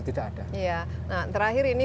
tidak ada terakhir ini